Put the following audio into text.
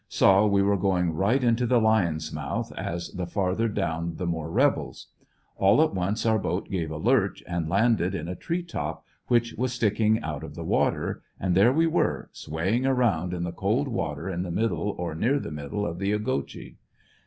Saw we were going right into the lion's mouth, as the far ther down the more rebels. All at once our boat gave a lurch and landed in a tree top which was sticRing out of the water, and there we were, swaying around in the cold water in the middle or near the middle of the Ogechee.